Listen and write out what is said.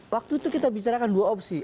waktu itu kita bicarakan dua opsi